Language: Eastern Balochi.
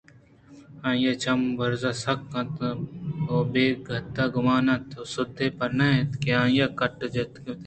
آئی ءِ چم برز ءَ سکّ اِت اَنت ءُبے گت ءُگما ن اَت ءُ سُدے پِر نہ اَت کہ آئی ءِ کُٹّ ءَ چکے وپتگ